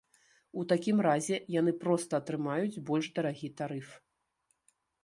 У такім разе яны проста атрымаюць больш дарагі тарыф.